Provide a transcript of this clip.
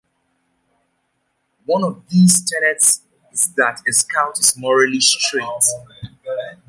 One of these tenets is that a Scout is "morally straight".